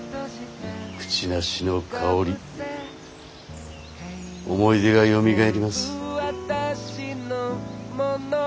クチナシの香り思い出がよみがえります。